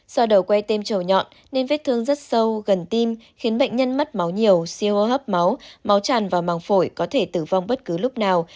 sau đầu que têm trầu nhọn nên vết thương rất sâu gần tim khiến bệnh nhân mất máu nhiều siêu hô hấp máu máu tràn vào màng phổi có thể tử vong bất cứ lúc nào